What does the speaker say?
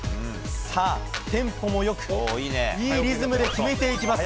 さあ、テンポもよく、いいリズムで決めていきます。